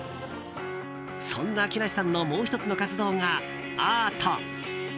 そんな木梨さんのもう１つの活動がアート。